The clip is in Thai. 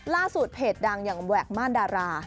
ล่าสุดเพจดังอย่างแหวกม่านดารา